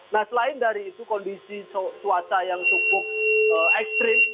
nah selain dari itu kondisi cuaca yang cukup ekstrim